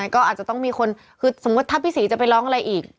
ก็อาจจะต้องมีคนคือสมมุติถ้าพี่ศรีจะไปร้องอะไรอีก